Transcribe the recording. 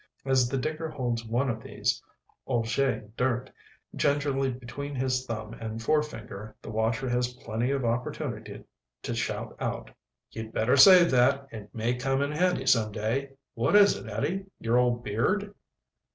As the digger holds one of these objets dirt gingerly between his thumb and forefinger the watcher has plenty of opportunity to shout out: "You'd better save that. It may come in handy some day. What is it, Eddie? Your old beard?"